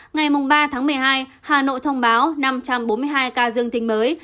ngày ba một mươi hai hà nội thông báo năm trăm bốn mươi hai ca dương tinh mới